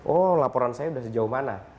oh laporan saya sudah sejauh mana